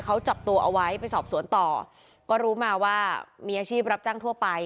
เขาจับตัวเอาไว้ไปสอบสวนต่อก็รู้มาว่ามีอาชีพรับจ้างทั่วไป